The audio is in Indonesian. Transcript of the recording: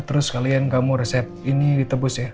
terus kalian kamu resep ini ditebus ya